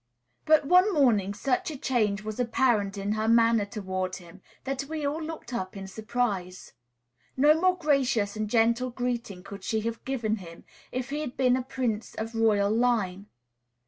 But one morning such a change was apparent in her manner toward him that we all looked up in surprise. No more gracious and gentle greeting could she have given him if he had been a prince of royal line.